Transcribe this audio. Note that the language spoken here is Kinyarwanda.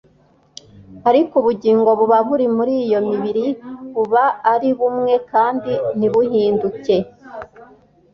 ariko ubugingo buba buri muri iyo mibiri buba ari bumwe kandi ntibuhinduke.